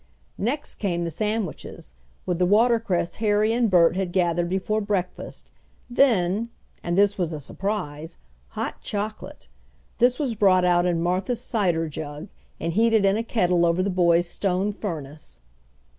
Next came the sandwiches, with the watercress Harry and Bert had gathered before breakfast, then (and this was a surprise) hot chocolate! This was brought out in Martha's cider jug, and heated in a kettle over the boys' stone furnace.